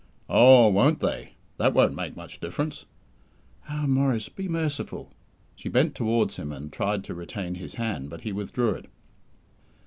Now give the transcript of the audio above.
"Oh, won't they! That won't make much difference." "Ah, Maurice, be merciful!" She bent towards him, and tried to retain his hand, but he withdrew it.